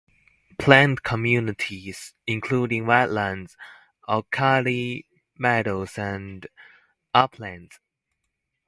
Plant communities including wetlands, alkali meadows, and uplands.